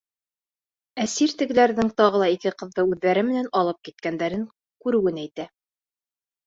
Әсир тегеләрҙең тағы ла ике ҡыҙҙы үҙҙәре менән алып киткәндәрен күреүен әйтә.